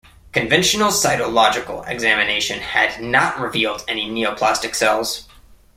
Conventional cytological examination had not revealed any neoplastic cells.